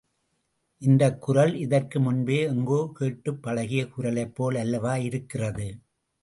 இந்தக் குரல் இதற்கு முன்பே எங்கோ கேட்டுப் பழகிய குரலைப்போல் அல்லவா இருக்கிறது?